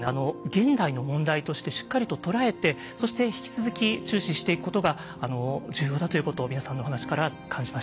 現代の問題としてしっかりと捉えてそして引き続き注視していくことが重要だということを皆さんのお話から感じました。